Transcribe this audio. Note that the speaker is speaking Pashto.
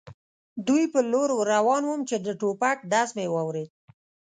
دوی پر لور ور روان ووم، چې د ټوپک ډز مې واورېد.